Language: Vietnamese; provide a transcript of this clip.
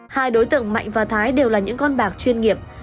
hai đối tượng mạnh và thái đều là những con bạc chuyên nghiệp